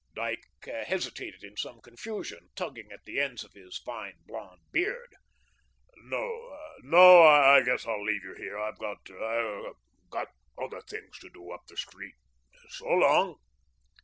Dyke hesitated in some confusion, tugging at the ends of his fine blonde beard. "No, no. I guess I'll leave you here. I've got got other things to do up the street. So long."